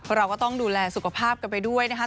เพราะเราก็ต้องดูแลสุขภาพกันไปด้วยนะครับ